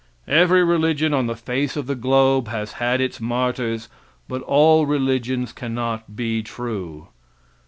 Every religion on the face of the globe has had its martyrs, but all religions cannot be true.